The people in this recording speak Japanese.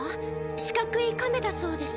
四角いカメだそうです。